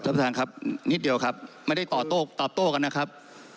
ประธานครับนิดเดียวครับไม่ได้ตอบโต้ตอบโต้กันนะครับ